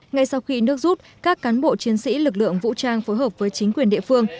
ngay sau khi nước rút các cán bộ chiến sĩ lực lượng vũ trang phối hợp với chính quyền địa phương